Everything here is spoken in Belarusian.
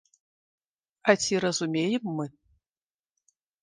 А ці разумеем мы?